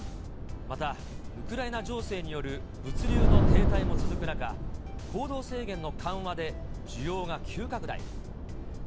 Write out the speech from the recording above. また、ウクライナ情勢による物流の停滞も続く中、行動制限の緩和で需要が急拡大。